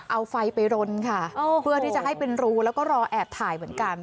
เอาไฟไปรนค่ะเพื่อที่จะให้เป็นรูแล้วก็รอแอบถ่ายเหมือนกัน